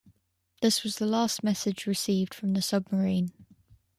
This was the last message received from the submarine.